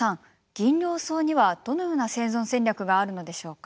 ギンリョウソウにはどのような生存戦略があるのでしょうか？